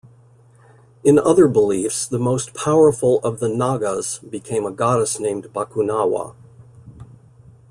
In other beliefs the most powerful of the Nagas became a goddess named Bakunawa.